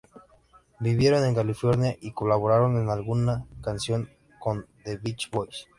Vivieron en California, y colaboraron en alguna canción con The Beach Boys.